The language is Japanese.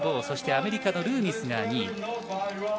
そしてアメリカのルーミスが２位。